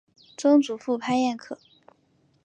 曾祖父潘彦可。